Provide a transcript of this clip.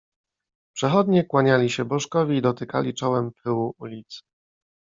Przechodnie kłaniali się bożkowi i dotykali czołem pyłu ulicy.